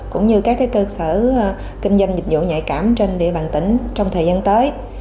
cũng như các cơ sở kinh doanh dịch vụ nhạy cảm trên địa bàn tỉnh trong thời gian tới